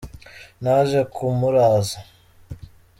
naje kumuraza.